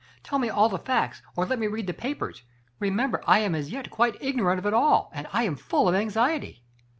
Tell me all the facts, or let me read the papers. Remem ber I am as yet quite ignorant of it all and I am full of anxiety!